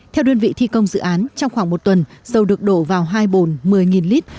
theo đơn vị thi công dự án trong khoảng một tuần dầu được đổ vào hai bồn một mươi lít